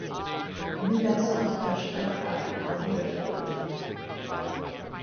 Newly dead souls are judged by Degei, and a few go to Burotu.